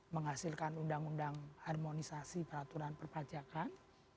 menghasilkan undang undang harmonisasi peraturan perpajakan